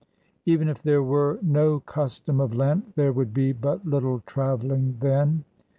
Even if there were no custom of Lent, there would be but little travelling then.